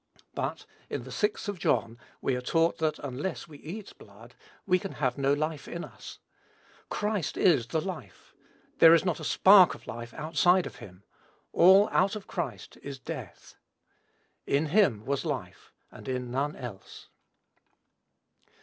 But, in the sixth of John we are taught that unless we eat blood we have no life in us. Christ is the life. There is not a spark of life outside of him. All out of Christ is death. "In him was life," and in none else.